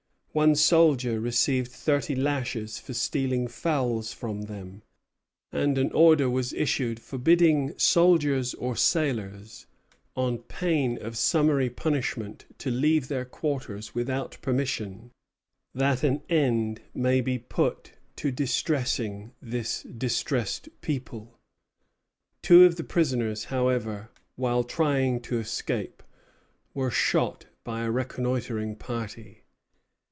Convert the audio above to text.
One soldier received thirty lashes for stealing fowls from them; and an order was issued forbidding soldiers or sailors, on pain of summary punishment, to leave their quarters without permission, "that an end may be put to distressing this distressed people." Two of the prisoners, however, while trying to escape, were shot by a reconnoitring party.